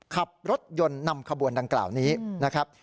ขับรถยนต์นำขบวนดังกล่าวนี้นะครับ